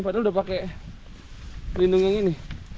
padahal udah pake lindung yang ini